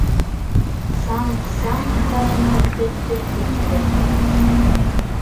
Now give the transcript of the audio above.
Саңҡ-саңҡ та ғына итеп төлкө тибә